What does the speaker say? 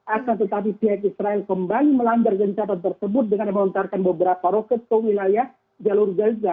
akan tetapi pihak israel kembali melanggar gencatan tersebut dengan melontarkan beberapa roket ke wilayah jalur gaza